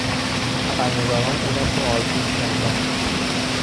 خبرنگاران او را سوالپیچ کردند.